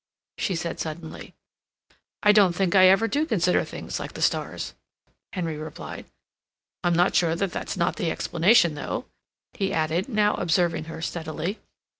she said suddenly. "I don't think I ever do consider things like the stars," Henry replied. "I'm not sure that that's not the explanation, though," he added, now observing her steadily.